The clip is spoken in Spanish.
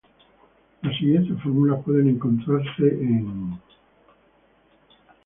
Las siguientes fórmulas pueden encontrarse en.